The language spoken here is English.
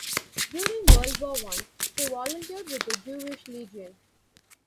During World War One, he volunteered with the Jewish Legion.